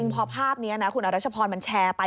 พอภาพนี้นะคุณอรัชพรมันแชร์ไป